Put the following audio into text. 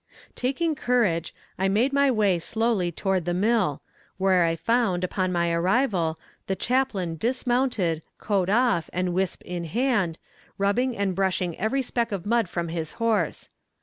Taking courage, I made my way slowly toward the mill, where I found, on my arrival, the chaplain dismounted, coat off, and wisp in hand, rubbing and brushing every speck of mud from his horse.